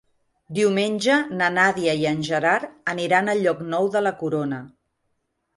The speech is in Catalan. Diumenge na Nàdia i en Gerard aniran a Llocnou de la Corona.